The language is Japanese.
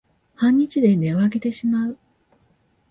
半日で音をあげてしまう